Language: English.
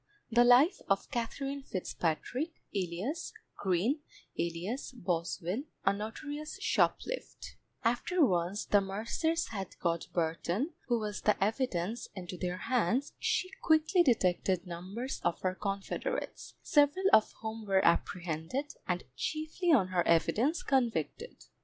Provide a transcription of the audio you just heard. The Life of KATHERINE FITZPATRICK, alias GREEN, alias BOSWELL, a notorious Shoplift After once the mercers had got Burton, who was the evidence, into their hands, she quickly detected numbers of her confederates, several of whom were apprehended, and chiefly on her evidence, convicted.